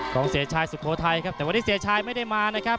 กองเศรษฐ์ชายสุโภไทยครับแต่วันนี้เศรษฐ์ชายไม่ได้มานะครับ